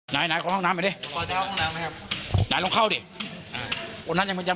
แล้วรอบดูรอบห้องน้ำที่แม่งกลัวใจซึ่งกลัวไว้กลัวอร่อยกว่าครั้งเชี่ยว